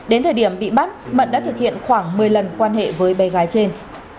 đến thời điểm bị bắt mận đã thực hiện khoảng một mươi lần quan hệ với bé gái trên